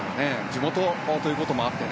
地元ということもあって